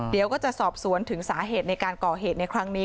เดี๋ยวก็จะสอบสวนถึงสาเหตุในการก่อเหตุในครั้งนี้